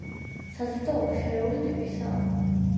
საზრდოობა შერეული ტიპისაა.